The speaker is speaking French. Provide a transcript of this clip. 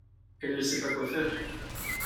elle ne sait pas quoi faire.